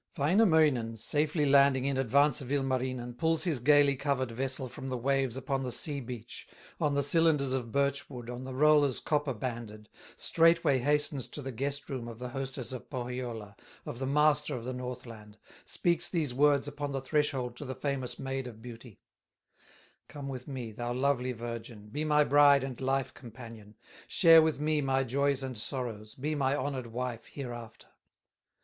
Wainamoinen, safely landing In advance of Ilmarinen, Pulls his gaily covered vessel From the waves upon the sea beach, On the cylinders of birch wood, On the rollers copper banded, Straightway hastens to the guest room Of the hostess of Pohyola, Of the master of the Northland, Speaks these words upon the threshold To the famous Maid of Beauty: "Come with me, thou lovely virgin, Be my bride and life companion, Share with me my joys and sorrows, Be my honored wife hereafter!"